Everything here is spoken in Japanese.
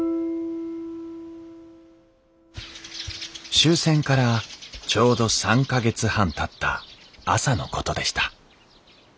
終戦からちょうど３か月半たった朝のことでした